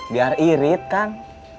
biar irit kang